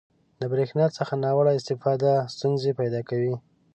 • د برېښنا څخه ناوړه استفاده ستونزې پیدا کوي.